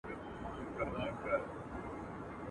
او د نیکه نکلونه نه ختمېدل.